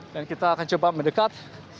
dan kita akan coba mendekat